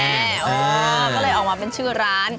ก็เลยออกมาเป็นชื่อร้าน